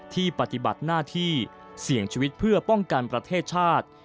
ปฏิบัติหน้าที่เสี่ยงชีวิตเพื่อป้องกันประเทศชาติ